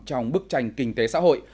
trong bức tranh kinh tế xã hội